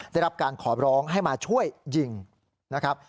ได้รับการขอร้องให้มาช่วยยิงนะครับ